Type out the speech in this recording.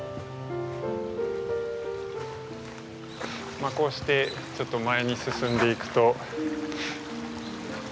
まあこうしてちょっと前に進んでいくと。